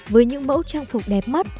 với những mẫu trang phục đẹp mắt